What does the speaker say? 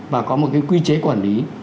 và có một cái quy chế quản lý